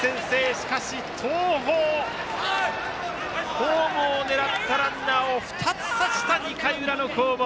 しかし、東邦ホームを狙ったランナーを２つ刺した２回裏の攻防。